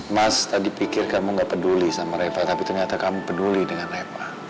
mas tadi pikir kamu gak peduli sama reva tapi ternyata kamu peduli dengan reva